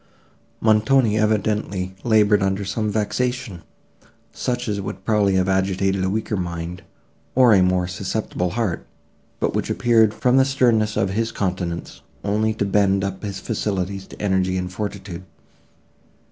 Montoni evidently laboured under some vexation, such as would probably have agitated a weaker mind or a more susceptible heart, but which appeared, from the sternness of his countenance, only to bend up his faculties to energy and fortitude.